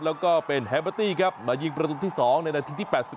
แล้วก็เป็นแฮเบอร์ตี้ครับมายิงประตูที่๒ในนาทีที่๘๑